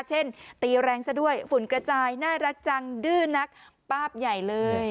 ตีแรงซะด้วยฝุ่นกระจายน่ารักจังดื้อนักป้าบใหญ่เลย